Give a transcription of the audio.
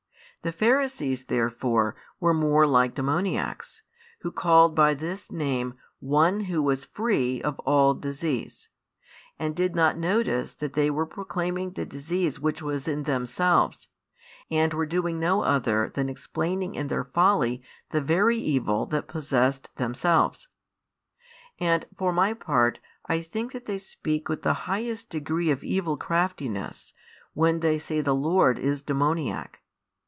The Pharisees therefore were more like demoniacs, who called by this name One Who was free of all disease; and did not notice that they were proclaiming the disease which was in themselves, and were doing no other than explaining in their folly the very evil that possessed themselves. And for my part I think that they speak with the highest degree of evil craftiness, when they say the Lord is demoniac.